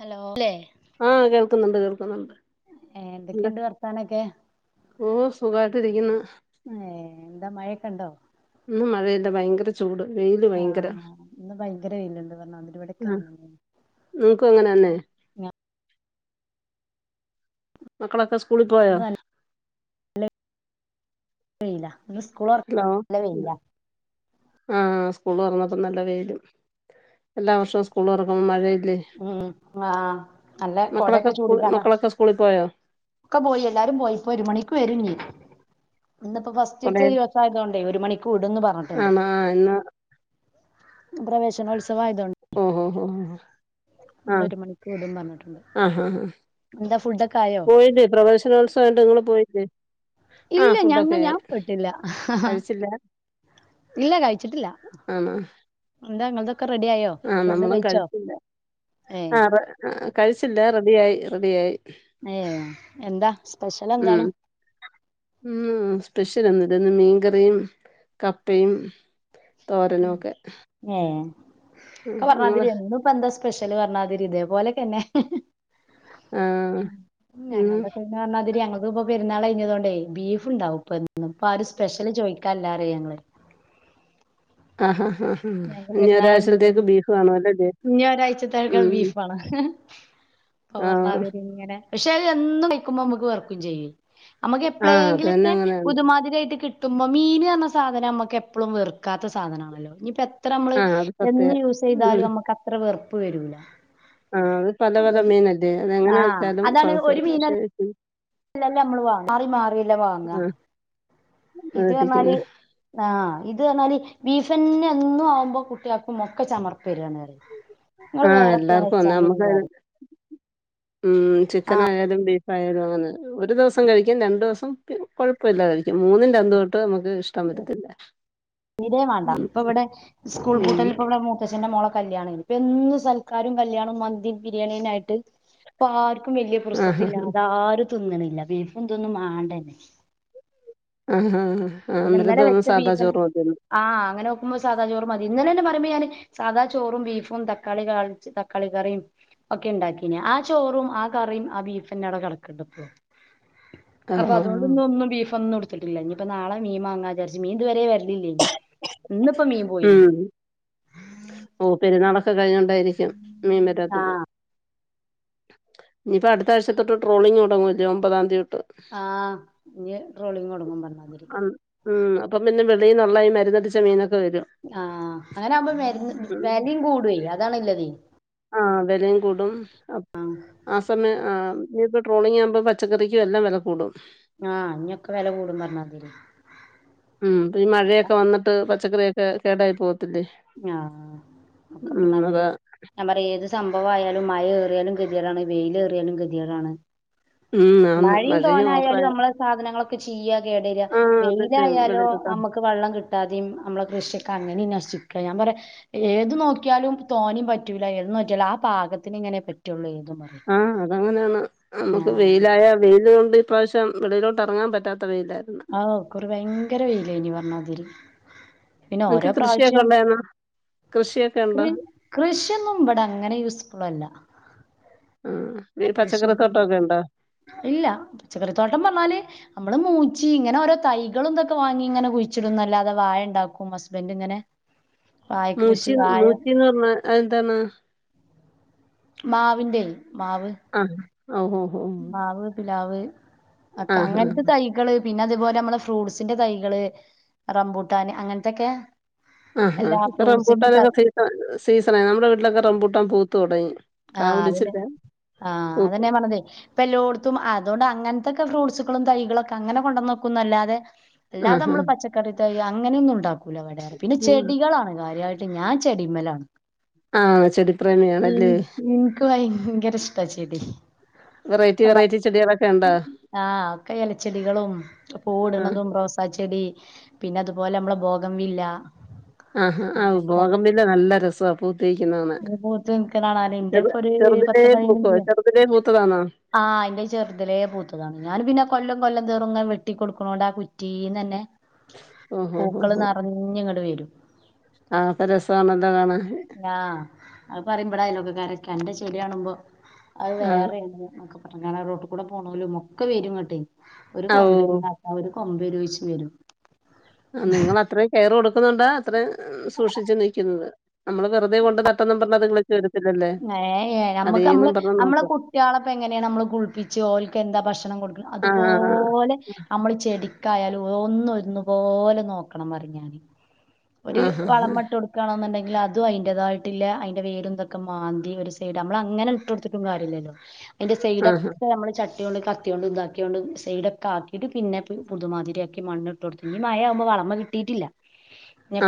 Hello ല്ലെ ആഹ് കേൾക്കുന്നുണ്ട് കേൾക്കുന്നുണ്ട് ഏ ന്താ എന്തൊക്കെയുണ്ട് വർത്താനൊക്കെ ഓ സുഖായിട്ടിരിക്ന്ന് ഏഹ് എന്താ മഴക്കെണ്ടോ ഇന്ന് മഴയ്താ ഭയങ്കര ചൂട് വെയില് ഭയങ്കര ആഹ ന്ന് ഭയങ്കര വെയില്ണ്ട്ന്നാ ആഹ് ഇവടക്കങ്ങനാണ്. നിങ്ങക്കും അങ്ങനെ തന്നെ മക്കളൊക്കെ സ്കൂളിൽ പോയോ അല്ലെ വെയിലാ ന്ന് സ്ക്കൂള് ഹലോ ആഹ് സ്കൂളൊറന്നപ്പോ നല്ല വെയില് എല്ലാ വർഷവും സ്കൂള് തൊറക്കുമ്പൊ മഴയില്ലേ. ഉം ആഹ് നല്ല കൊടെക്ക ചൂടിക്കാണ്ടാ സ്കൂളി പോയോ? ഇക്ക പോയി എല്ലാരും പോയി ഇപ്പൊ ഒരു മണിക്ക് വരുംനി ഇന്നിപ്പോ ഫസ് കൊട [unintelligible] ദിവസ ആയതോണ്ടേ ഒരു മണിക്ക് വിടൂന്ന് പറഞ്ഞിട്ടുണ്ട് ആണോ ആഹ് ഇന്ന് പ്രവേശനോത്സവം ആയതോ ഉം ഉം ഉം ഉം ഇന്ന് ആഹ് ഒരു മണിക്ക് വിടും പറഞ്ഞിട്ടുണ്ട് ആഹ് ഹ ഹ എന്താ ഫുഡൊക്കെ ആയോ പോയിണ്ട് പ്രവേശ ഉത്സവായിണ്ട് ഇങ്ങള് പോയില്ലേ ഇല്ല ആഹ് ഞങ്ങ ഫുഡൊക്കെ ഞാൻ ആയി പോയിട്ടില്ല കഴിച്ചില്ല ഇല്ല കഴിച്ചിട്ടില്ല ആണോ എന്താ നിങ്ങതൊക്കെ റെഡി ആയോ ആഹ് ഫുഡ് നമ്മളും കഴിച്ചോ കഴിച്ചില്ല ഏ ആഹ് കഴിച്ചില്ല റെഡിയായി റെഡി ആയി. ഏ എന്താ ഉം സ്പെഷ്യലെന്താണ്? ഉം സ്പെഷ്യലൊന്നൂല്ലാ ഇന്ന് മീൻകറിയും കപ്പയും തോരനോക്കെ ഏ ഇക്ക പറണാതിരി എന്നും ഇപ്പ എന്താ സ്പെഷ്യല് പറണാതിരി ഇതേപോലെക്കന്നെ ആഹ് ഉം ഉം ഞങ്ങളുടെ പറഞ്ഞാതിരി ഞങ്ങക്ക് ഇപ്പ പെരുന്നാൾ കഴിഞ്ഞതോണ്ടെ ബീഫുണ്ടാവും ഇപ്പെന്നും ഇപ്പ ആരും സ്പെഷ്യല് ചോദിക്കാനില്ലാറ് ഞങ്ങള് ആഹ് ഹ ഹ ഞങ്ങക്ക് ഇനി പെരുന്നാൾ കഴിഞ്ഞതോണ്ട് ഒരാഴ്ചലത്തേക്ക് ബീഫ് കാണു അല്ലേ ഇഞ്ഞി ഒരാഴ്ചത്തേക്ക് ഉം ആഹ് പറണാതിരി ഇങ്ങനെ പക്ഷെ അത് എന്നും കഴിക്കുമ്പോ നമുക്ക് വെർക്കും ചെയ്യും നമുക്ക് ആഹ് അത് തന്നെ എപ്പളേങ്കിലുക്കെ അങ്ങനെയാണ് പുതമാതിരായിട്ട് കിട്ട് തുമ്മ മീന് എന്ന സാധനം നമ്മുക്ക് എപ്പളും വെറുക്കാത്ത സാധനാണല്ലോ ഇനിയിപ്പ എത്ര നമ്മള് ആഹ് അത് സത്യ എന്ന് ഉം യൂസെയ്താലും നമ്മക്ക് അത്ര വെറുപ്പ് വരൂല ആഹ് അത് പല പല മീനല്ലേ അതെങ്ങന ആഹ് വെച്ചാലും കുഴപ്പില്ല പക്ഷെ ഇല്ലല്ല നമ്മള് വാങ്ങ മാറി മാറില്ലെ വാങ്ങ ആഹ് ഇത് പറഞ്ഞാല് വേടിക്കുന്നെ ആഹ് ഇത് പറഞ്ഞാല് ബീഫ്ന്നെ എന്നും ആവുമ്പോ കുട്ടികൾക്കു മൊക്കെ ചമർപ്പ് വരണേണ് [inaudible] ആഹ് എല്ലാർക്കും നമ്മക്കന്ന ഉം ആ ചിക്കൻ ആയാലും ബീഫ് ആയാലും അങ്ങനെ ഒരു ദിവസം കഴിക്കും രണ്ടു ദിവസം കൊഴപ്പില്ലാതെ കഴിക്കും മൂന്നിന്റെ അന്ന് തൊട്ട് നമുക്ക് ഇഷ്ടം പറ്റത്തില്ല ഇടേം വേണ്ട ഇപ്പ ഇവിടെ സ്കൂൾ ഉം പൂട്ടല് ഇപ്പ ഇവിടെ ശന്റെ മോള കല്യാണേന് ഇപ്പൊ എന്നും സൽക്കാരും കല്യാണോം മന്തീം ബിരിയാണീന്നായിട്ട് ഇപ്പൊ ആർക്കും വലിയ ആഹ് പുർസത്തില്ല അതാരും തിന്നണില്ല ബീഫും തിന്നും മാണ്ടെന് ആഹ് ആ പിന്നെ അന്നേരം ഇന്നലെ തോന്നും വെച്ച സാധാ ബീഫിന് ചോറ് മതീന്ന് ആഹ് അങ്ങനെ നോക്കുമ്പോ സാധാ ചോറ് മതി ഇന്നനെന്ന് പറയുമ്പോ ഞാന് സാധാ ചോറും ബീഫും തക്കാളി കാളിച്ച് തക്കാളി കറിയും ഒക്കെ ഉണ്ടാക്കീന ആ ചോറും ആ കറിയും ആ ബീഫ്ന്ന അവിടെ കിടക്കണ്ട്പ്പോ ആഹ് അപ്പൊ ആഹ് അതൊണ്ട്ന്നൊന്നും ബീഫൊന്നും എടുത്തിട്ടില്ല ഇനി ഇപ്പൊ നാളെ മീൻ വാങ്ങാ വിചാരിച്ച് മീൻ ഇതുവരെ വരണില്ലേനി ഉം ഓ പെരുന്നാളൊക്കെ കഴിഞ്ഞോണ്ടായിരിക്കും മീൻ വരാത്തത് ആഹ് ഇനിയിപ്പ അടുത്ത ആഴ്ച തൊട്ട് ട്രോളിങ്ങുടങ്ങുവല്ലേ ഒമ്പതാതീ തൊട്ട് ആഹ് ഇനി ട്രോളിങ്ങൊടങ്ങും പറഞ്ഞാതിരി ഉം ഉം അപ്പം പിന്നെ വെളിന്നൊളള ഈ മരുന്നടിച്ച മീനൊക്കെ വരും ആഹ് അങ്ങനെ ആവുമ്പോ ഉം വെലയും കൂടുവേ അതാണില്ലതേ ആഹ് വെലയും കൂടും ആ സമയം ആഹ് ഇനിപ്പോ ട്രോളിംഗ് ആവുമ്പോ പച്ചക്കറിക്കും എല്ലാം വെല കൂടും ആഹ് ഇനിയൊക്കെ വില കൂടും പറഞ്ഞാതിരി ഉം ഈ മഴയൊക്കെ വന്നിട്ട് പച്ചക്കറിയൊ ക്കെ കേടായി പോവത്തില്ലേ ഉം അതാ ഞാ പറയ ഏത് സംഭവം ആയാലും മഴയേറിയാലും കെതിയേടാണ് വെയിലേറിയാലും കെതിയേടാണ് ഉം ആന്ന് മഴിം മഴയും തോനായാലും ഓവറായ അമ്മള് സാധനങ്ങളൊക്കെ ചീയ്യാ കേടരാ ആഹ് അതന്നെ വെയിലായാലോ വെളിയിലോട്ടാ അമ്മക്ക് വെള്ളം കി കിട്ടാതേം അമ്മള കൃഷിയൊക്കെ അങ്ങനിം നശിക്ക ഞാ പറയാ ഏത് നോക്കിയാലും തോനിം പറ്റൂല ഏത് നോറ്റിയാലും ആ പാകത്തിന് ഇങ്ങനെ പറ്റുള്ളൂ ഏതും ആഹ് അതങ്ങനെയാണ് നമുക്ക് ആഹ് വെയിലായ വെയ്ല് കൊണ്ട് ഇപ്രറാവിശ്യം വെളിയിലോട്ട് എറങ്ങാൻ പറ്റാത്ത വെയിലായിരുന്നു അഓ ഇകുറി ഭയങ്കര വെയിലേനി പറഞാതിരി പിന്നെ നിങ്ങക്ക് ഓരോ കൃഷിയൊക്കെ പ്രാവശ്യം ഉണ്ടായിരുന്നോ കൃഷിയൊക്കെ ഉണ്ടോ കൃറ് കൃഷിയൊന്നും ഇവിടെ അങ്ങനെ യൂസ്ഫുൾ അല്ല ആഹ് ഈ കൃഷിയൊന്നും പച്ചക്കറിത്തോട്ടൊക്കെ ണ്ടോ ഇല്ല പച്ചക്കറി തോട്ടം പറഞ്ഞാല് ഞമ്മള മൂച്ചി ഇങ്ങനെഓരോ തൈകളും ഇതൊക്കെ വാങ്ങി ഇങ്ങനെ കുഴിച്ചിടുംന്നല്ലാതെ വായ ണ്ടാക്കും ഹസ്ബൻഡ് ഇങ്ങനെ വാഴ കൃഷി മൂച്ചി വാഴ മൂച്ചി ന്ന് പറ്ഞ്ഞാ അഹ് എന്താണ് മാവിന്റെ മാവ് ആഹ് അഹൂ മാവ് പിലാവ് ഒക്കെ അങ്ങ ആഹ് ന് ത്തെ തൈ കള് പിന്നെ അതുപോലെ നമ്മെ ഫ്രൂട്ട്സിന്റെ തൈകള് റമ്പൂട്ടാന് അങ്ങന് ത്തൊക്കെ ആഹ് ഹാ ഇപ്പൊ റംബൂട്ടാനൊക്കെ സീസ സീസണ ആയി നമ്മുടെ വീട്ടിലൊക്കെ റംബൂട്ടൻ പൂത്ത് തുടങ്ങി കാ ആഹ് അതെന്നെ പിടിച്ചില്ല ആഹ് പൂത്ത് അതന്നെ ഞാ പറ്ഞ്ഞത് ഇപ്പ എല്ലോട്ത്തും അതുകൊണ്ട് അങ്ങന് ത്തൊക്കെ ഫ്രൂട്സുകളും തൈകളൊക്കെ അങ്ങനെ കൊണ്ട ന്നക്കുംനല്ലാതെ അല്ലാതെ ആഹ് നമ്മള് പച്ചക്കറി തൈ അങ്ങനെയൊന്നും ഉണ്ടാക്കൂല വ ടെറയാ പിന്നെ ആഹ് ചെടികളാണ് കാര്യായി ട്ട് ഞാൻ ചെടിമലാണ് ആഹ് ചെടി പ്രേമിയണല്ലേ ഇന്ക്ക് ഭയങ്കര ഇഷ്ടാ ചെടി വെറൈറ്റി അപ്പ വറൈറ്റി ചെടിയാ ആഹ് ഒക്കെ എലച്ചെടികളും ആഹ് പൂട്ണതും റോസാ ചെടി പിന്നെ അതുപോലെ നമ്മള ഭോഗം വില്ല ആഹ് ആഹ് അങ്ങൻന്ത ബോഗൺവില്ല നല്ല രസവാ പൂത്തിരിക്കുന്നത് കാണാൻ കെ പൂ പൂത്ത് നിക്ക്ണ കാണാനെ ന്റെ ചെറു പ്പൊര് ചെറുതിലേ പത്ത് പൂക്കോ പതിനഞ്ച് ചാ ചെറുതിലേ പൂത്തതാണോ ആഹ് ഇന്റെ ചെറ്ത് ലേ പൂത്തതാണ് ഞാൻ പിന്നെ കൊല്ലം കൊല്ലം തീറുും വെട്ടിക്ക കൊടുക്കണോണ്ട് ആ കുറ്റീന്ന ന്നെ ഓഹോ ഹോ പൂക്കള് നറഞ്ഞിങ്ങട്ട് വരും ആപ്പ രസാ അങ്ങന് ത്ത കാണാന് ആഹ് അഹ് പറിം ഇമ്പടെഅയലോക്ക കാരൊക്കെ അന്റെ ചെടിയാണുമ്പോ അത് ആ വേറെയേണ് നൊക്കെ പറ്ങ്ങാന റോട്ട് കൂടെ പോണോലും ഒക്കെ വരുംങ്ങട്ടെ ഒരു ആ ഓ കൊമ്പരോ താ ത്താ ഒര് കൊമ്പ രോയിച്ച് വരും ആ നിങ്ങത്ര കെയർ കൊടുക്കുന്നുണ്ടാണ് അത്ര സൂക്ഷിച്ച് നിക്കുന്നത് നമ്മള് വെറുതെ കൊണ്ട് നട്ടന്നു പറഞ്ഞ് അത് [unintelligible] ഏ എ ഞമ്മക്ക് ഞമ്മള് അതേന്നും പറഞ്ഞ് നമ്മളെ നോക്കും കുട്ടിയാളെ പ്പംഎങ്ങനെയാണ് നമ്മള് കുളിപ്പിച്ച് ഓല്ക്ക് എന്താ ഭക്ഷണം ആ കൊടുക്ക്ണഅതുപോലെ നമ്മള് ചെടിക്കായാലും ഒന്നൊ ര്ന്ന് പോലെ നോക്കണം പ റിം ഞാന് ഒരു ആ ഹാ വളം മട്ട് കൊടുക്കണെന്നുണ്ടെങ്കിൽ അതും അയി ന്റെതായിട്ട്ല്ല അയിന്റെ വേരും തൊ ക്കെ മാന്തി ഒരു സൈഡ് നമ്മൾ അങ്ങനെ ഇട്ട് കൊടുത്തിട്ടും കാര്യല്ലല്ലോ അയാന്റെ ആ ഹാ സൈഡൊക്കെ നമ്മള് ട്ടി യോണ്ട് കത്തിയൊണ്ട് താ ക്യോണ്ട് സൈഡൊക്കെ ആക്കിയിട്ട് പിന്നെ പുതുമാതിരിയാക്കി മണ്ണ് ട്ടൊട്ത്ത് ഇഞ് മഴവുമ്പോ വളമ കിട്ടിയിട്ടില്ല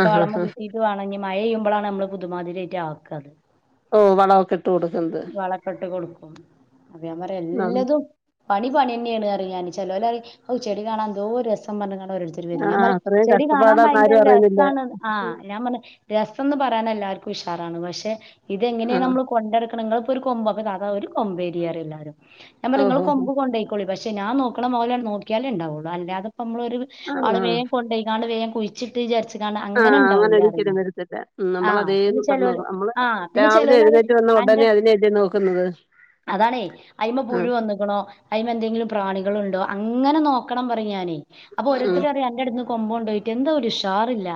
ആ ഹാ വളമ്മ ഹാ കിട്ടീട്ട് വാണം ഇഞ് മഴയ്യുമ്പളാണ് നമ്മള് പുതുമാതിരി ആയിട്ട് ആക്ക ത് ഓ വള വൊക്കെ ഇട്ട് കൊടുക്കുന്നത് വളക്കെട്ട് കൊടുക്കും അപ്പ ഞാ പറയ നം എല്ലതും പണി പണി തന്നെയാണ് പ റിം ഞാന് ചെലോല് റിംഔ ചെടി കാണാ എന്തോ രസം പറ്ഞ്ഞ് കാണ്ട് ഓരോര് ത്തര് വര് ആ ഞാൻ പറി അത്രയും ചെടി കാണാൻ കഷ്ടപ്പാടാന്ന് ഭയങ്കര ആരും അറിയുന്നില്ല രസമാണ് ആഹ് ഞാൻ പറ്ഞ് രസ എന്ന് പറയാൻ എല്ലാവർക്കും ഇഷാറാണ് പക്ഷെ ആ ഇതെങ്ങനെയാണ് നമ്മള് കൊണ്ടെടുക്കണം നിങ്ങ ഇപ്പോ ഒരു കൊമ്പ അഹ് ഒരു കൊമ്പേരിയറ് എല്ലാരും ഞാൻ പറങ്ങള് ഓഹോ ഹോ. കൊമ്പ കൊ [unintelligible] പക്ഷ ഞാൻ നോക്കണ പോലെ നോക്കിയാലേ ഉണ്ടാവുള്ളു അല്ലാതെ നമ്മള ഒരു ആ ആള് ആ വേഗം കൊണ്ടയ്ക്കാണ്ട് വേം കു [unintelligible] ആ അങ്ങനെ ഉണ്ടാവൂല അറിഞ്ഞ ഒരിക്കലും വരത്തില്ല നമ്മൾ ആഹ് പിന്നെ അതേന്നും ചെല പറഞ്ഞ് നോക്കും നമ്മള് ആഹ് പിന്നെ രാവിലെ ചെലൊലറയു എഴുന്നേറ്റ് വന്ന അൻ്റ ഉടനെ അതിനെയല്ലേ നോക്കുന്നത് അതാണേ അയ്മ്മ പൂഴു ആഹ് ന്നണോ അയിന്ന് എന്തെങ്കിലും പ്രാണികൾ ഉണ്ടോ അങ്ങനെ നോക്കണം പറയു ഞാന് അപ്പൊ ആഹ് ഓരോരുത്തര് പറയു അൻ്റടുത്തിന്ന് കൊമ്പ് കൊണ്ടോയിട്ട് എന്താ ഒരുഷാറില്ല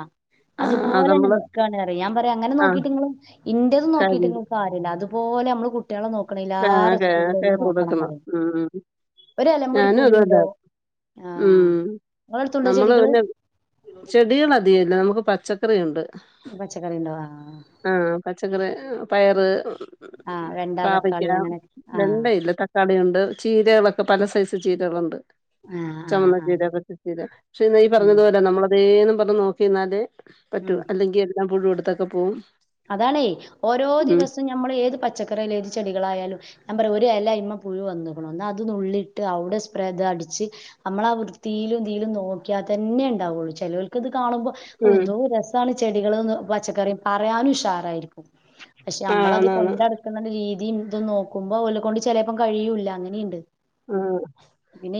ആഹ് അത് അതുപോലെന്നെ നമ്മള് നിക്കാണറയു ഞാൻ പറയു അങ്ങനെ ആഹ് നോക്കിട്ടിങ്ങള് ഇൻ്റത് കഴ് നോക്കിട്ട് കാര്യല്ല അതുപോലെ അമ്മള് കുട്ടികളെ നോക്കണേ എല്ലാ ആഹ് കെ റെസ്കിലും കെയറ് നോക്കണം കൊടുക്കണം. പറയും ഉം ഉം ഒരെലമ്മെ ഒരു ഞാനും അതുപോലെ പുഴുണ്ടോ ആഹ് ഉം ഇങ്ങളെ അടുത്തുണ്ടോ നമ്മള് ചെടികള്? പിന്നെ ചെടികൾധികല്ല നമുക്ക് പച്ച ക്റുണ്ട് പച്ചക്കറി ഉണ്ടോ ആഹ് പച്ചക്കറി പയറ് ആഹ് വെണ്ട, പാവ തക്കാളി അങ്ങനെയൊക്കെ ആഹ് വെണ്ടയില്ല തക്കാളിയിണ്ട് ചീരകളൊക്കെ പല സൈസ് ചീരകളുണ്ട് ആഹ് ആഹ് ചമന്ന ആഹ് ചീര പച്ച ചീരാ പക്ഷെ നീ ഉം പറഞ്ഞത് പോലെ നമ്മളതേന്ന് പറഞ്ഞ് നോക്കിന്നാല് ഉം. പറ്റു അല്ലെങ്കിൽ എല്ലാം പുഴു എടുത്തൊക്കെ പോവും അതാണേ ഓരോ ഉം ദിവസം ഞമ്മള് ഏത് പച്ചക്കറിയായാലു ഏത് ചെടികളായാലും ഞാൻ പറയാ ഒരു എലായ്മ പുഴു വന്ന്ക്കുണു എന്ന അത്നുള്ളിട്ട് അവിടെ സ്പ്രേ അത് അടിച്ച് അമ്മളാ വൃത്തിയിലും ഇതിലും നോക്കിയാ തന്നെ ഉണ്ടാവുള്ളു ചെലോൽക്ക് ഇത് കാണുമ്പോ ഔ ഉം എന്തോ രസാണ് ചെടികള്ന്ന് പച്ചക്കറിയും പറയാനും ഉഷാറായിരിക്കും പക്ഷെ ആഹ് അമ്മളത് ആന്നാന്ന് കൊണ്ടടക്കുന്ന രീതിയും ഇതും നോക്കുമ്പോ ഓലെക്കൊണ്ട് ചിലപ്പം കഴിയൂല്ല അങ്ങനെയിണ്ട് ആഹ്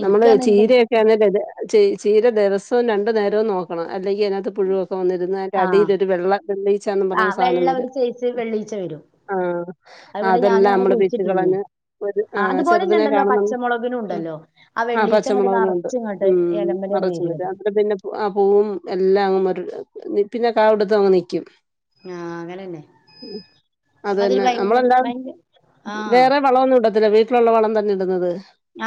നമ്മള് എന്റെ ചീര ല്ല ചീര ദിവസവും രണ്ടു നേരവും നോക്കണം അല്ലെങ്കിൽ അതിനകത്ത് പുഴുവൊക്കെ വന്നിന്ന് അതിന്റെ ആഹ് അടിലൊരു വെള്ള എണ്ണിയിച്ചാന്ന് പറഞ്ഞൊരു ആഹ് സാധനം വെള്ള ഒരു വരും സൈസ് വെള്ളീച്ച വരും ആഹ് അത് ഇവിടെ ഞാനും അതെല്ലാം അങ്ങനെ അമ്മള് പിച്ചി കുഴിച്ചിട്ടീനി കളഞ്ഞ് ഒരു ആഹ് അതുപോലെന്നെ ചെറുതിനിനെ ഇണ്ടല്ലോ കാണണം പച്ചമുളകിനും ഉം ഉണ്ടല്ലോ ആ ആഹ് വെള്ളീച്ച അങ്ങട്ട് പച്ചമുളകും ഉണ്ട് നറച്ച് ഇങ്ങട്ട് ഉം എലമ്മലണ്ട് മറച്ചു വരും വരി അത് അ പിന്നെ ആഹ് പൂവും എല്ലാം അങ്ങ് പിന്നെ കാവിടുത്ത് അങ്ങ് നിക്കും ആഹ് അങ്ങനെന്നെ അതൊരു അതെനെ ഭയങ്കര നമ്മളെല്ലാം ഭയങ്കര ആഹ് വേറെ വളം ഒന്നും ഇടത്തില്ല വീട്ടിലുള്ള വളം തന്നെ ഇടുന്നത്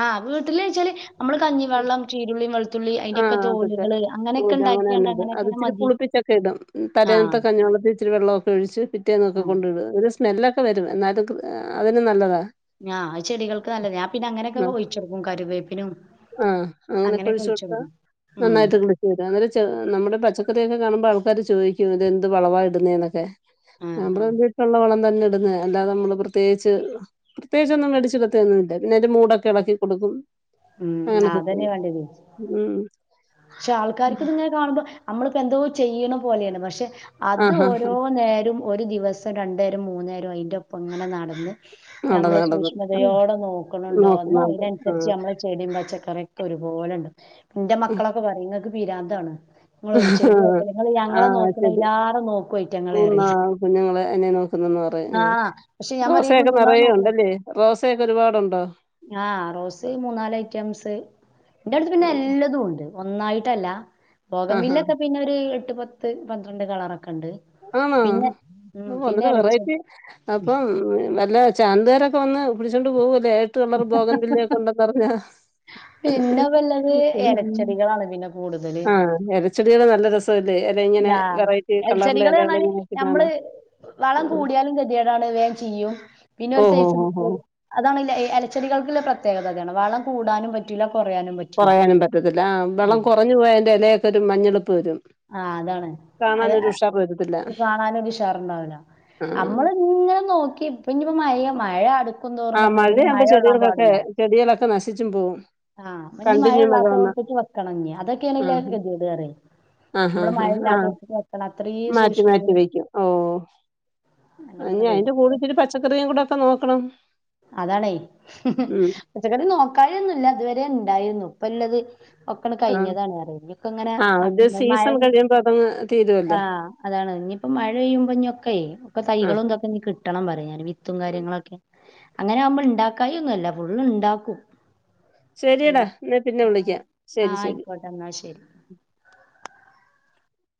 ആഹ് വീട്ടില്ച്ചാല് നമ്മള് കഞ്ഞിവെള്ളം ചീരുള്ളി വെള് ത്തുള്ളി അഷിന്റൊക്കെ ആഹ് അതൊക്കെ തോലുകള് അങ്ങനെയൊക്കെ കിട്ടൂല ഉണ്ടാക്കിയാണ്ട് അങ്ങനെയൊക്കനെ മതി ആഹ് തലേനത്തത്തെ കഞ്ഞാളത്തി ഇച്ചിരി വെള്ളമൊക്കെ ഒഴിച്ച് പിറ്റേന്നൊക്കെ ആഹ് കൊണ്ട്ട ഒരു സ്മെല്ലൊക്കെ വരും എന്നാലും അതിന് നല്ലതാ ഞാ ആ ചെടികൾക്ക് നല്ലത് ഞാൻ പിന്നെ ആ അങ്ങനെയൊക്കെ ഒഴിച്ചെടുക്കും കരുവേപ്പിനും അങ്ങനെയൊക്കെ ഒഴിച്ചൊട്ക്കും നന്നായിട്ടന്നെ ഇവ്ടെ വന്നിട്ട് ചെ നമ്മുടെ പച്ചക്കറിയൊക്കെ കാണുമ്പോൾ ആൾക്കാര് ചോദിക്കും ഇതെന്ത് വളവാ ഇടുന്നേ എന്നൊക്കെ ഞാൻ ആഹ് ആഹ് പറയു വീട്ട്ല്ള്ളെ വളം തന്നെ ഇടുന്നെ അല്ലാതെ നമ്മള് പ്രത്യേകിച്ച് പ്രത്യേകിച്ചൊന്നും കടിച്ച്കൊത്തേന്നും ഇല്ല പിന്നതിന്റെ മൂടൊക്കെ ഇളക്കി കൊടുക്കും ഉം അങ്ങനെക്കെ അതന്നെ വേണ്ടിയത് ഉം പക്ഷെ ആൾക്കാർക്ക് ഉം. ഇതുങ്ങനെ കാണുമ്പോ നമ്മളിപ്പോ എന്തോ ചെയ്യണ പോലെയാണ് പഷെ അത് ആഹാ ഓരോ നേരം ഒരു ദിവസം രണ്ടേരം മൂന്ന നേരം അയിന്റെ ഒപ്പം ഇങ്ങനെ നടന്ന് നടന്ന് ഞമ്മള് നടന്ന് ആ, സൂക്ഷ്മതയോടെ നോക്ക്ണിണ്ടോ എന്ന നോക്കുന്നുണ്ട് ആ അതിനനുസരിച്ച് നമ്മൾ ചെടിയും പച്ചക്കറിയൊക്കെ ഒരുപോലെ ഉണ്ട് എന്റെ മക്കളൊക്കെ പറയും നിങ്ങക്ക് പിരാന്താണ് നിങ്ങളൊരു ചെടിയോക്കല് ഇങ്ങള് ആ ഞങ്ങളെ ശരി നോക്കണില്ലാ എല്ലാവാരും നോക്കുവയിക്ക ഞങ്ങളെ ക്കുന്ന അറിയ കുഞ്ഞുങ്ങള് എന്നെ റോസയൊക്കെ കുഞ്ഞുങ്ങളെ നിറയെ നോക്കണ ഉണ്ടല്ലേ റോസയക്കെ ഒരുപാടുണ്ടോ ആഹ് റോസ് മൂന്നാല് ഐറ്റംസ് എന്റെ അടുത്ത് ആ. പിന്നെ എല്ലാതും ഉണ്ട് ഒന്നായിട്ടല്ല ഭോഗം ആഹാ വില്ലൊക്കെ പിന്നെ ഒരു എട്ട് പത്ത് പന്ത്രണ്ട് കളറൊക്കെ ഉണ്ട് ആതണ് പിന്നെ ഉം അഹ് പിന്നെ ഒന്നിട്ട് എലച്ച വെറൈറ്റി അപ്പം വല്ല ചാനല്കാരൊക്കെ വന്ന് പിടിച്ചോണ്ട് പോകൂല്ലേ ഏഴെട്ട് കള്ളർ ബോഗൻ ബില്ലയൊക്കെ ഉണ്ടന്ന് പറഞ്ഞ പിന്നെ പ്പൊള്ളത് എലച്ചെടികളാണ് പിന്നെ കൂടുതല് ചെടികളുടെ നല്ല രസമല്ലേ എല ഇങ്ങനെ വെറൈറ്റി കളറിലെ ചെടികള്ന്നർഞാല് എലകളിങ്ങനെ നിക്കുന്നെ നമ്മള് കാണാൻ വളം ആഹ് കൂടിയാലും കരിടാണ് വേം ചീയ്യും പിന്നെ ഒരു ഓഹ് സൈസ് ഓഹ് ഓഹ് ഓഹ് അതാണ്ല്ലേ ഈ ഇലച്ചടികൾക്കുള്ള പ്രത്യേകതാണ് വളം കൂടാനും പറ്റില്ല കുറാനും പറ്റു കുറയാനും പറ്റത്തില്ല വെള്ളം കുറഞ്ഞ്പോയതിന്റെ ഇലയൊക്കെ ഒരു മഞ്ഞെളുപ്പ് വരും. ആ അതാണ് അത് കാണാനൊരു ഉഷാറ് വരത്തില്ല കാണാനുഷാറുണ്ടാവൂല ആഹ് നമ്മള് ഇങ്ങനെ നോക്കിട്ട പിന്നിപ്പോ മയ മഴ അടുക്കും തോറും ആഹ് പറഞ്ഞാ തിന് മഴയാകുമ്പോ മഴയൊള്ളാൻ ചെടികൾക്കൊക്കെ പാടില്ല. ചെടികളൊക്കെ നശിച്ചും പോകും. ആഹ് മഞ്ഞ ഇഞ്ഞ് ആ ആ ഉള്ളാത്തോടത്തേക്ക് വെക്കണി അതൊക്കെയാണല്ലേ ഗതികേട് കേയ ആഹാ ഹാ ആഹ അത്രയും മാറ്റി മാറ്റി സൂക്ഷ്മതയും വെക്കും ഓ. അ ഞാൻ ഇഞ്ഞി പറഞ്ഞതേ അതിന്റെ കൂടെ ഇിച്ചിരി പച്ചക്കറിയും കൂടെ ഒക്കെ നോക്കണം. അതാണേ ഉം പച്ചക്കറി നോക്കായൊന്നുല്ല ഇതുവരെ ഉണ്ടായിരുന്നു ഇപ്പ ഇല്ലത്. ഒക്കണ് ആ കഴിഞ്ഞതാണ് റ ഇപ്പങ്ങനെ ആ മഴ തീരൂ ആ് അതാണ് ഇനിയിപ്പ മഴ പെയ്യുമ്പോ ഇതൊക്കെ ആ തൈകളുംന്തൊക്കെ നീ കിട്ടും കെട്ടണം പറയാനും വിത്തും കാര്യങ്ങളൊക്കെ അങ്ങനെകുമ്പോൾ ഉണ്ടാക്കായിന്നൊല്ലാ ഫുള്ള് ഇണ്ടാക്കും. ശെരിയെടാ എന്നാ പിന്നെ വിളിക്കാം ആ ശരി ശരി. ആയിക്കോട്ടെ എന്നാ ശരി.